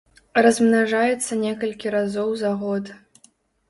Размнажаецца некалькі разоў за год.